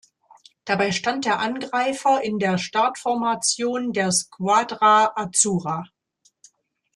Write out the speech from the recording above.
Dabei stand der Angreifer in der Startformation der "Squadra Azzurra".